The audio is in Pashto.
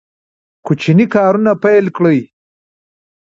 کوچني کارونه پیل کړئ.